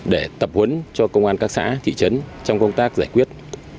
để tập huấn cho công an các xã thị trấn trong công tác giải quyết